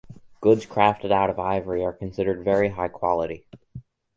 Goods crafted out of ivory are considered very high quality.